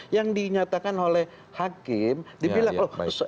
yang dinyatakan oleh hakim dibilang loh eh saudara ini kan